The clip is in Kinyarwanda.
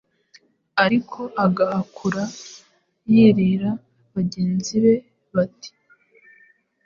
ariko agahakura yirira, bagenzi be bati:”